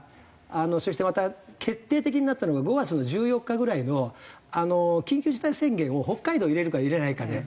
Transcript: そしてまた決定的になったのが５月の１４日ぐらいの緊急事態宣言を北海道を入れるか入れないかで。